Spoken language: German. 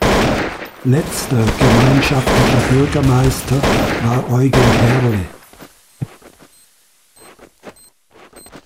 Letzter "gemeinschaftlicher Bürgermeister" war Eugen Härle.